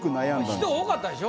人多かったでしょ？